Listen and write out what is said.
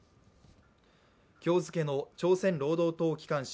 今日付の朝鮮労働党機関誌